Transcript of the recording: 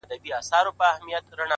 زما د غیرت شمله به کښته ګوري،